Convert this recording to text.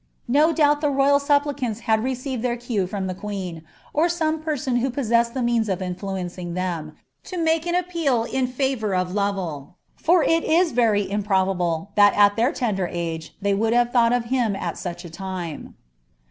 No ubt the royal supplicants had received their cue from the queen, or me person who possessed the means of influencing them, to make an pral in favour of Lovel, for it is very improbable that at their tender e they would have thought of him at such a time.